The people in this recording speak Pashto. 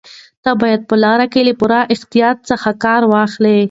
ته باید په لاره کې له پوره احتیاط څخه کار واخلې.